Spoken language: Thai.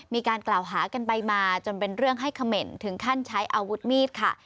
มีการกล่าวหากันไปมาจนเป็นเรื่องให้เขม่นถึงขั้นใช้อาวุธมีดค่ะ